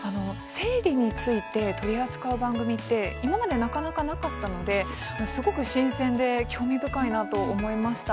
生理をテーマにした番組って今までなかなかなかったのですごく新鮮で興味深いなと思いました。